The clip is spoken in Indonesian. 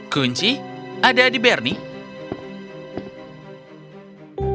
kunci ada di bernie